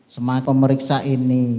semangat pemeriksa ini